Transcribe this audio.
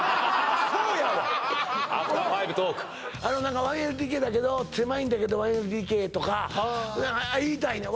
アフターファイブトーク「あの何か１ＬＤＫだけど狭いんだけど１ＬＤＫ」とか言いたいねん